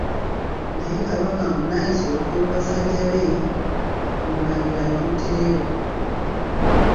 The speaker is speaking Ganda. Naye Kabaka mbu n'ayisa olukwe mu basajja be, Omulangira bamuttireyo.